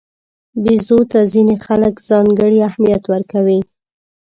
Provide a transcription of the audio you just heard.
بیزو ته ځینې خلک ځانګړی اهمیت ورکوي.